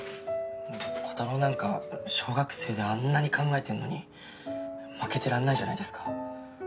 コタローなんか小学生であんなに考えてんのに負けてらんないじゃないですか。